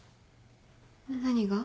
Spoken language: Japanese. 何が？